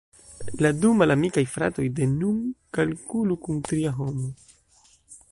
La du malamikaj fratoj de nun kalkulu kun tria homo.